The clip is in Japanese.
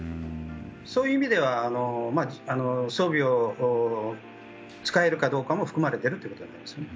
そういう意味では装備を使えるかどうかも含まれているということです。